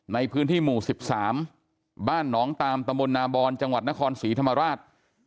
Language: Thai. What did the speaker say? ในพื้นที่หมู่๑๓บ้านหนองตามตะมนนาบอนจังหวัดนครศรีธรรมราช